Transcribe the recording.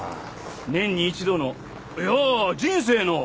年に一度のいや人生の。